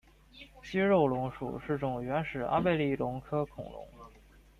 肌肉龙属是种原始阿贝力龙科恐龙。